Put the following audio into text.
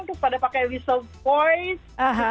terus pada pakai whistle voice